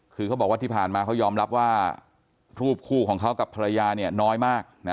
คือเขาบอกว่าที่ผ่านมาเขายอมรับว่ารูปคู่ของเขากับภรรยาเนี่ยน้อยมากนะ